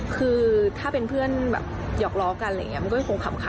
คือถ้าเป็นเพื่อนหยอกรอกันมันก็ไม่คงขำ